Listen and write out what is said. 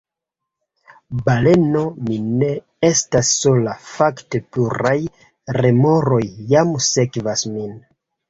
Baleno: "Mi ne estas sola. Fakte, pluraj remoroj jam sekvas min."